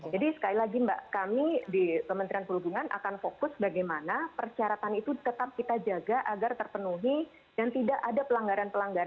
jadi sekali lagi mbak kami di kementerian perhubungan akan fokus bagaimana persyaratan itu tetap kita jaga agar terpenuhi dan tidak ada pelanggaran